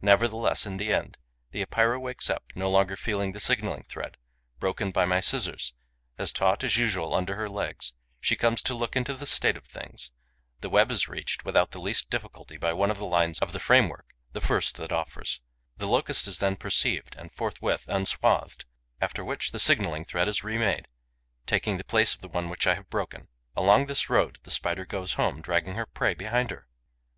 Nevertheless, in the end, the Epeira wakes up: no longer feeling the signalling thread, broken by my scissors, as taut as usual under her legs, she comes to look into the state of things. The web is reached, without the least difficulty, by one of the lines of the framework, the first that offers. The Locust is then perceived and forthwith enswathed, after which the signalling thread is remade, taking the place of the one which I have broken. Along this road the Spider goes home, dragging her prey behind her.